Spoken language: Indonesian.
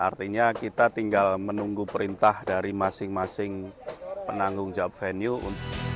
artinya kita tinggal menunggu perintah dari masing masing penanggung jawab venue